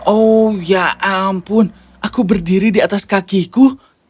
oh ya ampun aku berdiri di atas kakiku